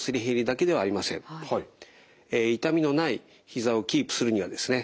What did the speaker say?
痛みのないひざをキープするにはですね